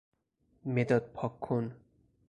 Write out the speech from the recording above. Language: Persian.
مداد پاک کن